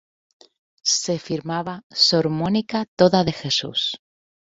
Se firmaba: Sor Mónica toda de Jesús.